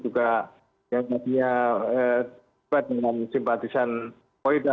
dengan simpatisan oida